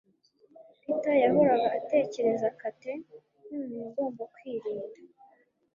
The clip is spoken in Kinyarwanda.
Peter yahoraga atekereza Kate nkumuntu ugomba kwirinda